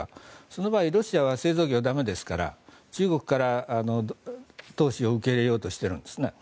その場合、ロシアは製造業、駄目ですから中国から投資を受け入れようとしているんです。